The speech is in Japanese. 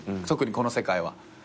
特にこの世界は。